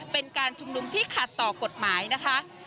เป็นการชุมนุมที่ขัดต่อกฎหมายนะคะ